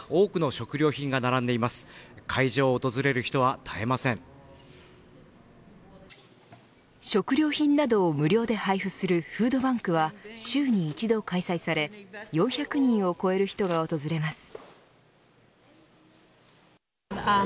食料品などを無料で配布するフードバンクは週に１度開催され４００人を超える人が訪れます。